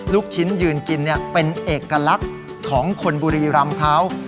ลูกชิ้นยืนกินเป็นเอกลักษณ์ของคนบุรีรำเขา